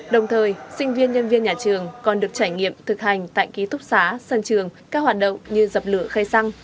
đồng thời sinh viên nhân viên nhà trường còn được trải nghiệm thực hành tại ký túc xá sân trường các hoạt động như dập lửa khai xăng